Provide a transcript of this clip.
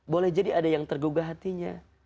boleh jadi ada yang tergugah hatinya